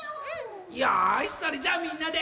よしそれじゃあみんなで。